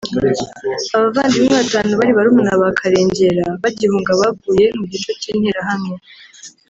Abavandimwe batanu bari barumuna ba Karengera bagihunga baguye mu gico cy’interahamwe